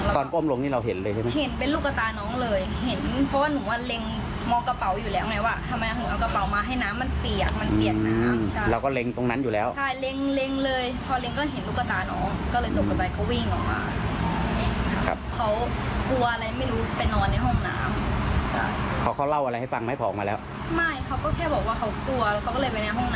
ตอนก้มลงนี่เราเห็นเลยใช่ไหมเห็นเป็นลูกกระตาน้องเลยเห็นเพราะว่าหนูว่าเล็งมองกระเป๋าอยู่แล้วไหมว่าทำไมหนูเอากระเป๋ามาให้น้ำมันเปียกมันเปียกน้ำใช่แล้วก็เล็งตรงนั้นอยู่แล้วใช่เล็งเลยพอเล็งก็เห็นลูกกระตาน้องก็เลยตกกระตายเขาวิ่งออกมาเขากลัวอะไรไม่รู้ไปนอนในห้องน้ำเขาเล่าอะไรให้ฟังไหมพอออกมาแล้วไม่เข